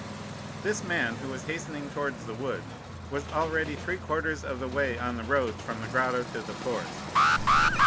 "This man, who was hastening towards the wood, was already three quarters of the way on the road from the grotto to the forest.